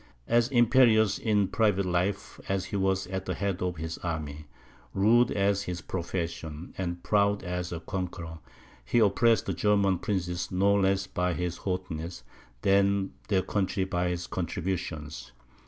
As imperious in private life as he was at the head of his army, rude as his profession, and proud as a conqueror; he oppressed the German princes no less by his haughtiness, than their country by his contributions.